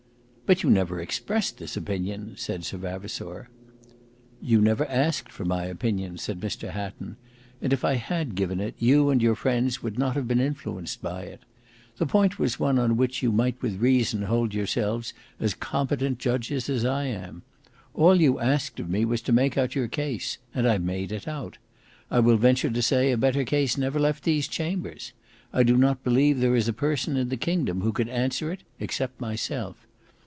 "But you never expressed this opinion," said Sir Vavasour. "You never asked for my opinion," said Mr Hatton; "and if I had given it, you and your friends would not have been influenced by it. The point was one on which you might with reason hold yourselves as competent judges as I am. All you asked of me was to make out your case, and I made it out. I will venture to say a better case never left these chambers; I do not believe there is a person in the kingdom who could answer it except myself.